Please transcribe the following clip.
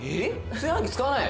「炊飯器使わない？」